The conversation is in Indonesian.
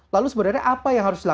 lalu sebenarnya ada yang menurut anda